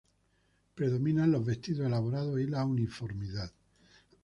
Predominan los vestidos elaborados y la uniformidad.